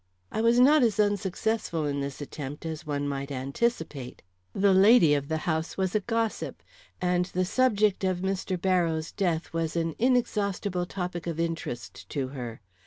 I was not as unsuccessful in this attempt as one might anticipate. The lady of the house was a gossip, and the subject of Mr. Barrows' death was an inexhaustible topic of interest to her.